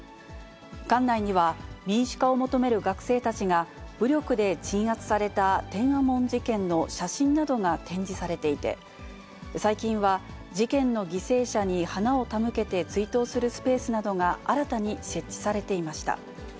館内には民主化を求める学生たちが、武力で鎮圧された天安門事件の写真などが展示されていて、最近は、事件の犠牲者に花を手向けて追悼するスペースなどが新たに設置されていました。